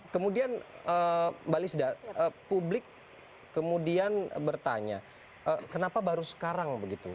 kemudian mbak lisda publik kemudian bertanya kenapa baru sekarang begitu